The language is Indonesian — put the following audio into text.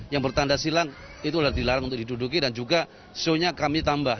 yang bertanda silang itu sudah dilarang untuk diduduki dan juga shownya kami tambah